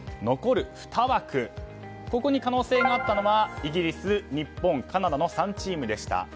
残る２枠に可能性があったのはイギリス、日本カナダの３チームでした。